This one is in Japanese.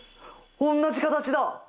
おんなじ形だ！